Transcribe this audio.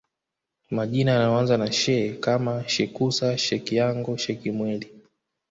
Majina yanayoanza na She kama Shekusa Shekiango Shekimwei